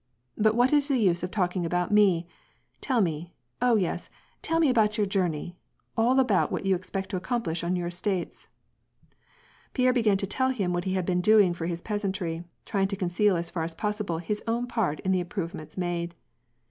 "But what is the use of talking about me? — Tell me, oh yes, tell me about your journey, — all about what you ex pect to accomplish on your estates." Pierre began to tell him what he had been doing for his peasantry, trying to conceal as far as possible, his own part in the improvements made.